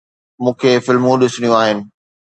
مون کي فلمون ڏسڻيون آهن.